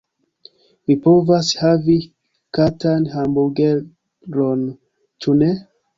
Mi povas havi katan hamburgeron, ĉu ne?